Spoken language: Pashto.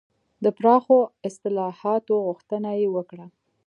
د پراخو اصلاحاتو غوښتنه یې وکړه.